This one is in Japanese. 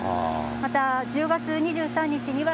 また１０月２３日には、